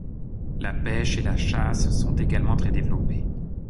La pêche et la chasse sont également très développées.